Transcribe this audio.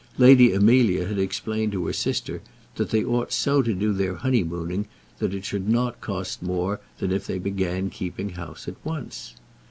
Lady Amelia had explained to her sister that they ought so to do their honeymooning that it should not cost more than if they began keeping house at once.